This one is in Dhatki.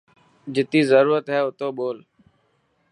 جتي ضرورت هي اوتو جول.